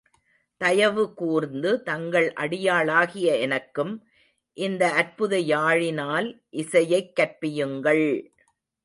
தயவு கூர்ந்து தங்கள் அடியாளாகிய எனக்கும் இந்த அற்புத யாழினால் இசையைக் கற்பியுங்கள்!